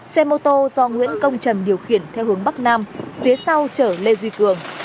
xe mô tô do nguyễn công trầm điều khiển theo hướng bắc nam phía sau chở lê duy cường